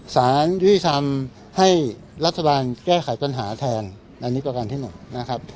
สารยุติธรรมให้รัฐบาลแก้ไขปัญหาแทนอันนี้ประการที่๑นะครับ